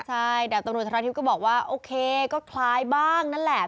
ใช่ดาบตำรวจธราทิพย์ก็บอกว่าโอเคก็คล้ายบ้างนั่นแหละ